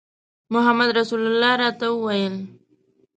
محمدرسول راته وویل.